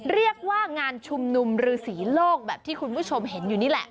เรียกว่างานชุมนุมฤษีโลกแบบที่คุณผู้ชมเห็นอยู่นี่แหละ